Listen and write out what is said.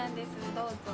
どうぞ。